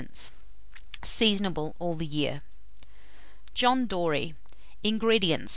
Seasonable all the year. JOHN DORY. 248. INGREDIENTS.